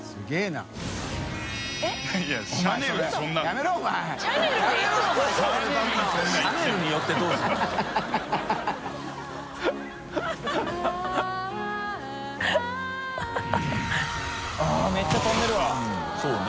あっめっちゃ飛んでるわそうね。